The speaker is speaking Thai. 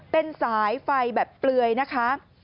เป็นสายไฟแบบเปลือยนะคะ